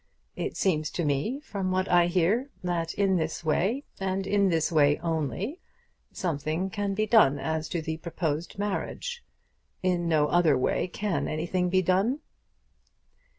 It seems to me, from what I hear, that in this way, and in this way only, something can be done as to the proposed marriage. In no other way can anything be done."